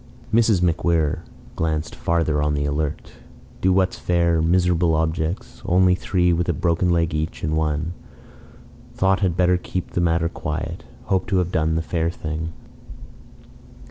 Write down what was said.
Mrs. MacWhirr glanced farther, on the alert. "... Do what's fair. .. Miserable objects .... Only three, with a broken leg each, and one ... Thought had better keep the matter quiet ... hope to have done the fair thing.